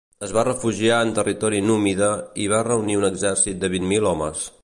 Es va refugiar en territori númida i va reunir un exèrcit de vit mil homes.